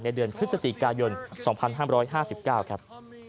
เดือนพฤศจิกายน๒๕๕๙ครับ